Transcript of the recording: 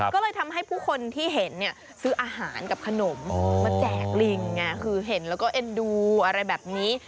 ก็เลยทำให้ผู้คนที่เห็นเนี่ยซื้ออาหารกับขนมมาแจกลิงไงคือเห็นแล้วก็เอ็นดูอะไรแบบนี้